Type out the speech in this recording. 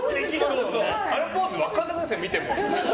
あのポーズ分からなくないですか見ても。